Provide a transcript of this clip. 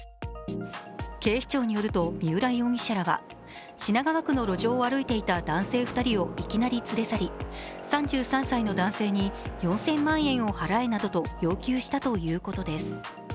警視庁によると、三浦容疑者らは品川区の路上を歩いていた男性２人をいきなり連れ去り３３歳の男性に４０００万円を払えなどと要求したということです。